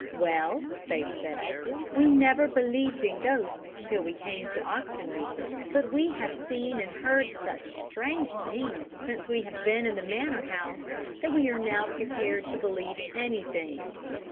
"Well," they said, "we never believed in ghosts till we came to Oxenby, but we have seen and heard such strange things since we have been in the Manor House that we are now prepared to believe anything."